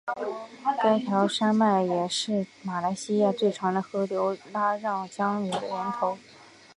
该条山脉也是马来西亚最长的河流拉让江的源头。